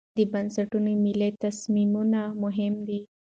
د بنسټونو مالي تصمیمونه مهم دي.